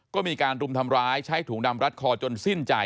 ก็มีการรุมทำร้ายใช้ถุงดำรัดคอจนสิ้นใจ